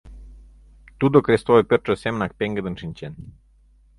Тудо крестовый пӧртшӧ семынак пеҥгыдын шинчен.